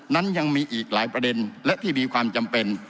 นั้นยังมีอีกหลายประเด็นและที่มีความจำเป็น